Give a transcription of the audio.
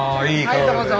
はいどうぞ。